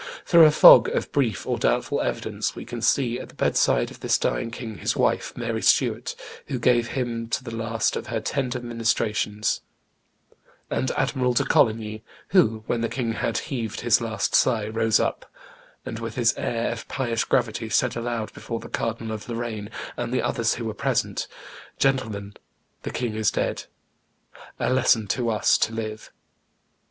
[Illustration: Mary Stuart 284] Through a fog of brief or doubtful evidence we can see at the bedside of this dying king his wife Mary Stuart, who gave him to the last her tender ministrations, and Admiral de Coligny, who, when the king had heaved his last sigh, rose up, and, with his air of pious gravity, said aloud before the Cardinal of Lorraine and the others who were present, "Gentlemen, the king is dead. A lesson to us to live."